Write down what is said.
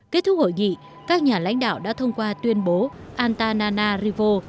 kết thúc hội nghị các nhà lãnh đạo đã thông qua tuyên bố antananarivo